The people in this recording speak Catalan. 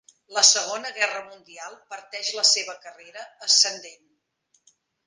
La Segona Guerra Mundial parteix la seva carrera ascendent.